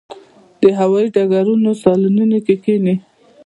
د هوايي ډګرونو صالونونو کې کښېني.